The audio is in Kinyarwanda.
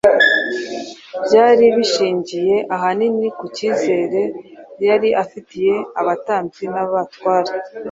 byari bishingiye ahanini ku cyizere yari afitiye abatambyi n’abatware.